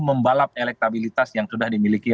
membalap elektabilitas yang sudah dimiliki